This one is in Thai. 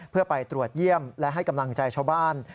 เพื่อไปตรวจเยี่ยมและให้กำลังใจชาวบ้าน